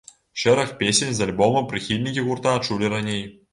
Шэраг песень з альбома прыхільнікі гурта чулі раней.